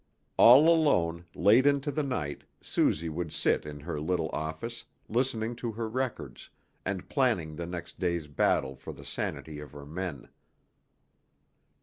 All alone, late into the night, Suzy would sit in her little office, listening to her records, and planning the next day's battle for the sanity of her men.